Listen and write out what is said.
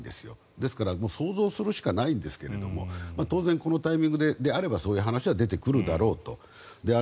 ですから、想像するしかないんですけれども当然、このタイミングであればそういう話は出てくるだろうと。